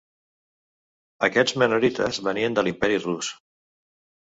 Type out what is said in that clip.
Aquests mennonites venien de l'Imperi Rus.